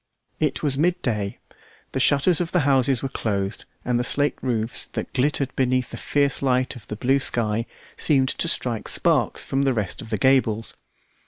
It was mid day, the shutters of the houses were closed and the slate roofs that glittered beneath the fierce light of the blue sky seemed to strike sparks from the crest of the gables.